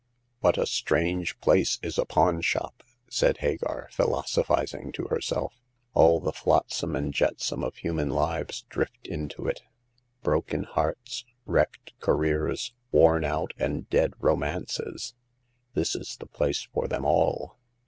" What a strange place is a pawn shop !" said Hagar, philosophizing to herself. All the flot sam and jetsam of human lives drift into it. Broken hearts, wrecked careers, worn out and dead romances— this is the place for them all.